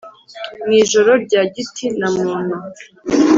Mw'ijoro rya giti na muntu